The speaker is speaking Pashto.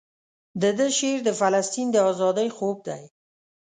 دده شعر د فلسطین د ازادۍ خوب دی.